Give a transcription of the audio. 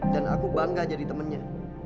dan aku bangga jadi temennya